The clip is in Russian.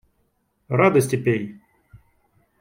Радости пей!